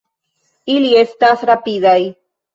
Ili estas rapidaj.